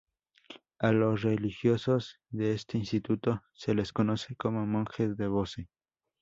A los religiosos de este instituto se les conoce como monjes de Bose.